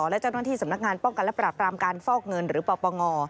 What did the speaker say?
และเจ้าหน้าที่สำนักงานป้องกันและปราบรามการฟอกเงินหรือปปง